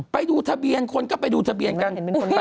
ไปดูทะเบียนคนก็ไปดูทะเบียนกัน